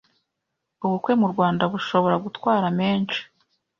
ubukwe mu Rwanda bushobora gutwara menshi